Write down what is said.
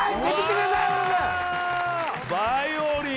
バイオリン。